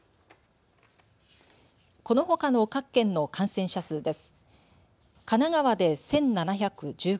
このほかの各県の感染者数です。